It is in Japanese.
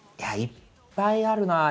いっぱいあるなあ。